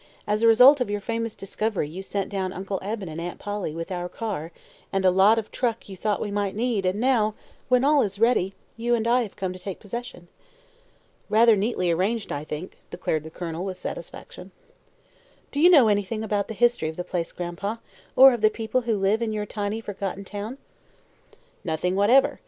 "As a result of your famous discovery you sent down Uncle Eben and Aunt Polly, with our car and a lot of truck you thought we might need, and now when all is ready you and I have come to take possession." "Rather neatly arranged, I think," declared the Colonel, with satisfaction. "Do you know anything about the history of the place, Gran'pa, or of the people who live in your tiny, forgotten town?" "Nothing whatever.